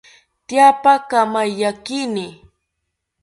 Tyapa kamaiyakini